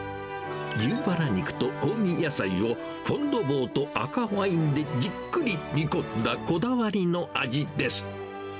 牛バラ肉と香味野菜を、フォンドボーと赤ワインでじっくり煮込んだ、こだわりの味です。